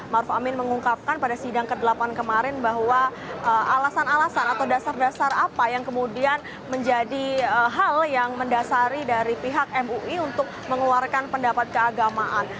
maruf amin mengungkapkan pada sidang ke delapan kemarin bahwa alasan alasan atau dasar dasar apa yang kemudian menjadi hal yang mendasari dari pihak mui untuk mengeluarkan pendapat keagamaan